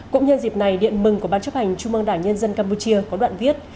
cũng như dịp này điện mừng của ban chấp hành chung bằng đảng nhân dân campuchia có đoạn viết